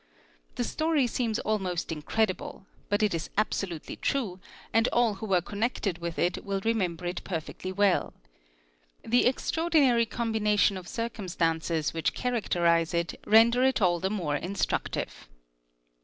The story seems almost "incredible but it is absolutely true and all who were connected with it ~ will remember it perfectly well. The extraordinary combination of cir cumstances which characterise it, render it all the more instructive.